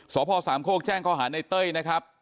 สพสามโคกแจ้งข้อหาในเต้ยนะครับ